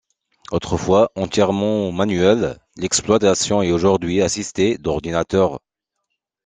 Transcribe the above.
Autrefois entièrement manuelle, l'exploitation est aujourd'hui assistée d'ordinateurs.